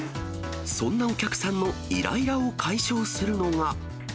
そんなお客さんのいらいらを解消するのが。